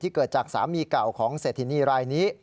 เกิดจากสามีเก่าของเศรษฐินีรายนี้